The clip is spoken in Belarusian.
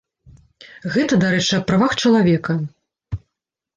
Гэта, дарэчы, аб правах чалавека.